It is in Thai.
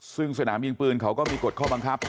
ซึ่งสนามยิงปืนเขาก็มีกฎข้อบังคับ